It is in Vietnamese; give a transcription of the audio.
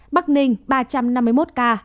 bắc ninh ba trăm năm mươi một ca